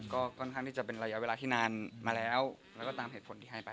ก็ค่อนข้างที่จะเป็นระยะเวลาที่นานมาแล้วแล้วก็ตามเหตุผลที่ให้ไป